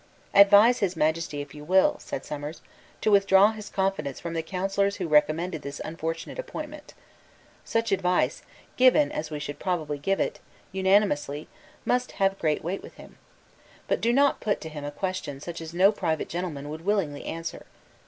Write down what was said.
"Advise His Majesty, if you will," said Somers, "to withdraw his confidence from the counsellors who recommended this unfortunate appointment. Such advice, given, as we should probably give it, unanimously, must have great weight with him. But do not put to him a question such as no private gentleman would willingly answer.